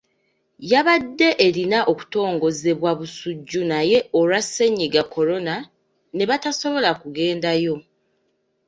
Yabadde erina kutongolezebwa Busujju naye olwa ssennyiga Corona ne batasobola kugendayo.